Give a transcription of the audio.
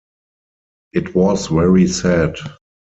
It was very sad.